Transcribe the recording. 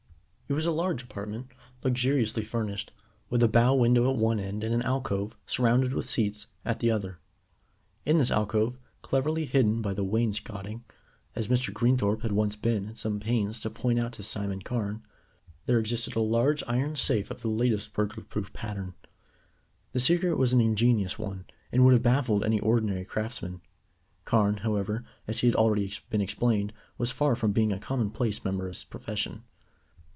It was a large apartment, luxuriously furnished, with a bow window at one end and an alcove, surrounded with seats, at the other. In this alcove, cleverly hidden by the wainscoting, as Mr. Greenthorpe had once been at some pains to point out to Simon Carne, there existed a large iron safe of the latest burglar proof pattern. The secret was an ingenious one, and would have baffled any ordinary craftsman. Carne, however, as has already been explained, was far from being a commonplace member of his profession.